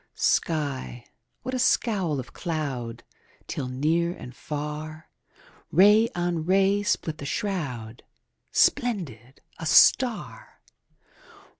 Sky what a scowl of cloud 5 Till, near and far, Ray on ray split the shroud: Splendid, a star!